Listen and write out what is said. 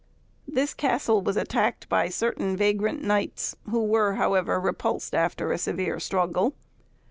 This castle was attacked by certain vagrant knights, who were, however, repulsed after a severe struggle.